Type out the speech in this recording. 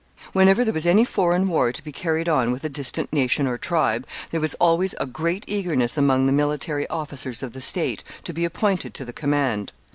] Whenever there was any foreign war to be carried on with a distant nation or tribe, there was always a great eagerness among all the military officers of the state to be appointed to the command.